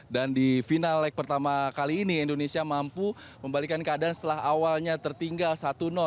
dan di final leg pertama kali ini indonesia mampu membalikan keadaan setelah awalnya tertinggal satu